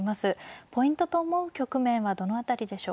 ポイントと思う局面はどの辺りでしょうか。